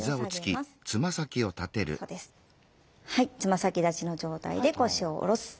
はいつま先立ちの状態で腰を下ろす。